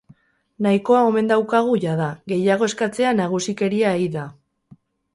Nahikoa omen daukagu jada, gehiago eskatzea nagusikeria ei da.